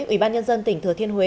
ủy ban nhân dân tỉnh thừa thiên huế